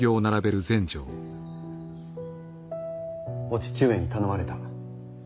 お父上に頼まれた。